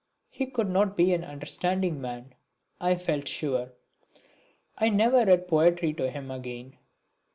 He could not be an understanding man, I felt sure. I never read poetry to him again.